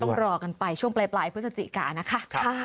ต้องรอกันไปช่วงปลายพฤศจิกานะคะ